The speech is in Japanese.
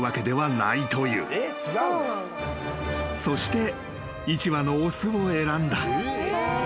［そして一羽の雄を選んだ］